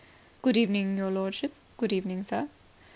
"Good evening, your lordship. Good evening, sir."